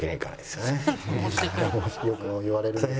「よく言われんの？」